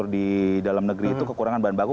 di dalam negeri itu kekurangan bahan baku